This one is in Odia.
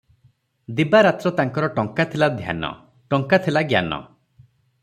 "ଦିବା-ରାତ୍ର ତାଙ୍କର ଟଙ୍କା ଥିଲା ଧ୍ୟାନ - ଟଙ୍କା ଥିଲା ଜ୍ଞାନ ।